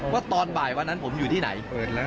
ว่าตอนบ่ายวันนั้นผมอยู่ที่ไหน